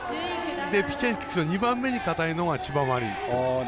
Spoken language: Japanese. ピッチャーに聞くと２番目に硬いのが千葉マリン。